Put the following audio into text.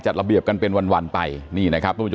อ๋อเจ้าสีสุข่าวของสิ้นพอได้ด้วย